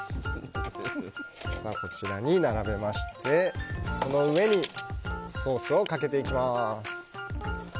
並べまして、この上にソースをかけていきます。